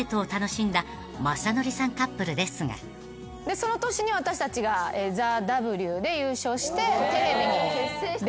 その年に私たちがＴＨＥＷで優勝してテレビに出始めた。